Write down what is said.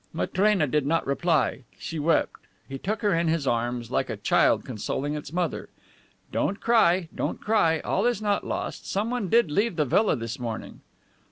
Matrena did not reply. She wept. He took her in his arms like a child consoling its mother. "Don't cry. Don't cry. All is not lost. Someone did leave the villa this morning."